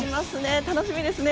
楽しみですね。